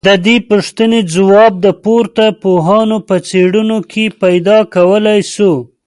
ددې پوښتني ځواب د پورته پوهانو په څېړنو کي پيدا کولای سو